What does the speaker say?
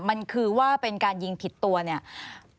มันคือว่าเป็นการยิงผิดตัวเนี่ย